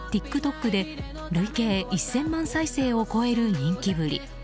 ＴｉｋＴｏｋで累計１０００万再生を超える人気ぶり。